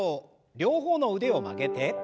両方の腕を曲げて。